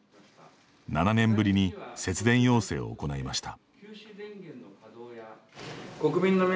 ７年ぶりに節電要請を行いました。